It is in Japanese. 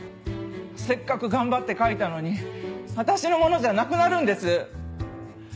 せっかく頑張って描いたのに私のものじゃなくなるんです！